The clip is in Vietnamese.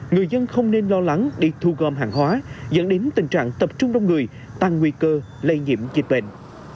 người dân không nên lo lắng đi thu gom hàng hóa dẫn đến tình trạng tập trung đông người tăng nguy cơ lây nhiễm dịch bệnh